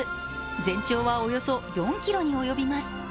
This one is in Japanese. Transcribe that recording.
全長はおよそ４ｋｍに及びます。